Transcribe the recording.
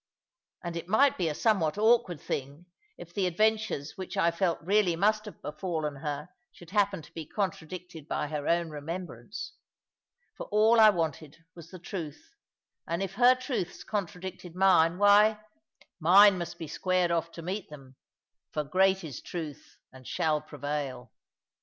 And it might be a somewhat awkward thing if the adventures which I felt really must have befallen her should happen to be contradicted by her own remembrance: for all I wanted was the truth; and if her truths contradicted mine, why, mine must be squared off to meet them; for great is truth, and shall prevail.